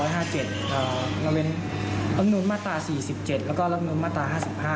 ละเมรนด์ละงดนุลมาตรา๔๗และก็ละงดนุลมาตรา๕๕